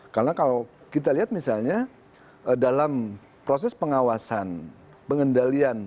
karena kalau kita lihat misalnya dalam proses pengawasan pengendalian